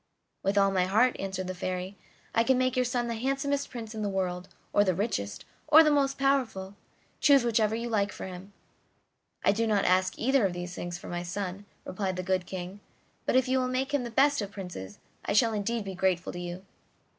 "With all my heart," answered the Fairy. "I can make your son the handsomest prince in the world, or the richest, or the most powerful; choose whichever you like for him." "I do not ask either of these things for my son," replied the good King; "but if you will make him the best of princes, I shall indeed be grateful to you.